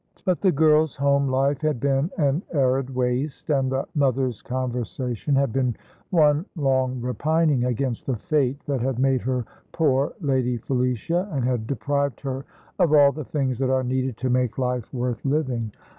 But the girl's home life had been an arid waste, and the mother's conversation had been one long repining against the Fate that had made her "poor Lady Felicia," and had deprived her of all the things that are needed to make life worth living.